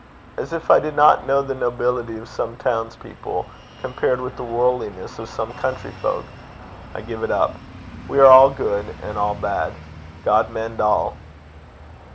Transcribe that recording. As if I did not know the nobility of some townspeople, compared with the worldliness of some country folk. I give it up. We are all good and all bad. God mend all.